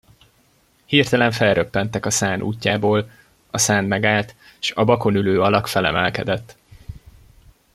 Hirtelen felröppentek a szán útjából, a szán megállt, s a bakon ülő alak felemelkedett.